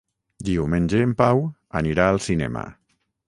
Diumenge en Pau anirà al cinema.